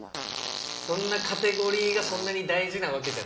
そんなカテゴリーがそんなに大事なわけじゃなくて。